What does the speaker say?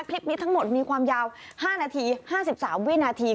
คลิปนี้ทั้งหมดมีความยาว๕นาที๕๓วินาที